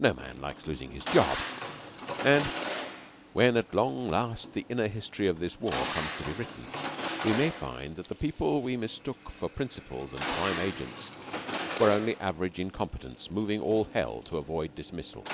No man likes losing his job, and when at long last the inner history of this war comes to be written, we may find that the people we mistook for principals and prime agents were only average incompetents moving all Hell to avoid dismissal.